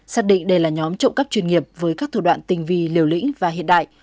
xác định đây là nhóm trộm cắp chuyên nghiệp với các thủ đoạn tình vi liều lĩnh và hiện đại